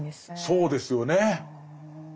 そうですよね。